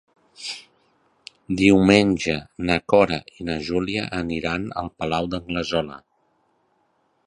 Diumenge na Cora i na Júlia aniran al Palau d'Anglesola.